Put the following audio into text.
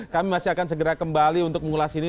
kami masih akan segera kembali untuk mengulas ini